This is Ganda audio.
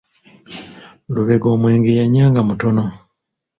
Lubega omwenge yanyanga mutono.